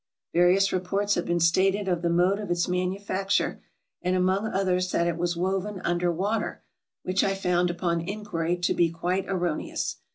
Various reports have been stated of the mode of its manufacture, and among others that it was woven under water, which I found, upon inquiry, to be quite erroneous.